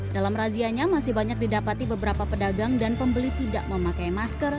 dalam razianya masih banyak didapati beberapa pedagang dan pembeli tidak memakai masker